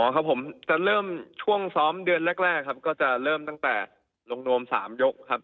ครับผมจะเริ่มช่วงซ้อมเดือนแรกครับก็จะเริ่มตั้งแต่ลงนวม๓ยกครับ